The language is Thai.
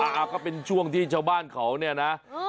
อ่าอ่าก็เป็นช่วงที่ชาวบ้านเขาเนี้ยนะอืม